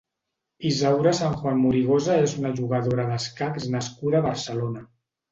Isaura Sanjuan Morigosa és una jugadora d'escacs nascuda a Barcelona.